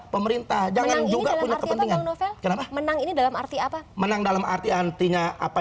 pemerintah jangan juga punya kepentingan menang ini dalam arti apa menang dalam arti antinya apa